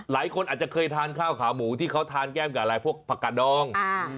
หลายคนอาจจะเคยทานข้าวขาหมูที่เขาทานแก้มกับอะไรพวกผักกาดอง